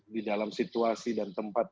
di dalam situasi dan tempat